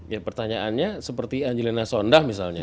ya pertanyaannya seperti angelina sondah misalnya